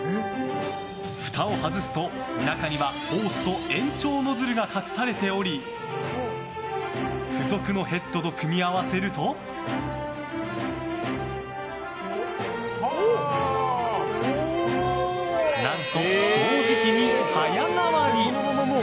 ふたを外すと、中にはホースと延長ノズルが隠されており付属のヘッドと組み合わせると何と、掃除機に早変わり！